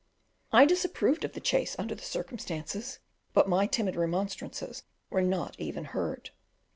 I disapproved of the chase under the circumstances, but my timid remonstrances were not even heard.